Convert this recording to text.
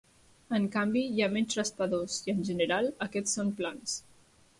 En canvi, hi ha menys raspadors i -en general- aquests són plans.